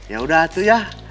ya udah itu ya